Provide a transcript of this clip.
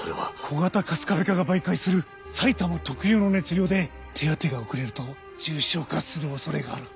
小型春日部蚊が媒介する埼玉特有の熱病で手当てが遅れると重症化する恐れがある。